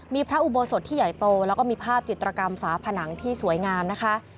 มีพระอุโบสถที่ใหญ่โตแล้วก็มีภาพจิตรกรรมฝาผนังที่สวยงามนะคะ